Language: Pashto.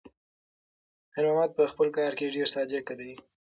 خیر محمد په خپل کار کې ډېر صادق دی.